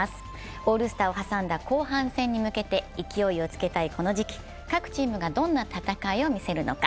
オールスターを挟んだ後半戦に向けて勢いをつけたいこの時期、各チームがどんな戦いを見せるのか。